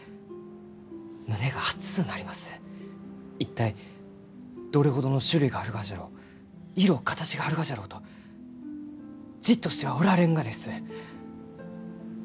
一体どれほどの種類があるがじゃろう色形があるがじゃろうとじっとしてはおられんがです！